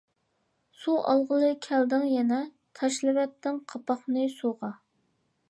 سۇ ئالغىلى كەلدىڭ يەنە، تاشلىۋەتتىڭ قاپاقنى سۇغا.